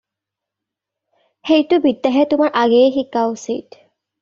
সেইটো বিদ্যাহে তোমাৰ আগেয়ে শিকা উচিত।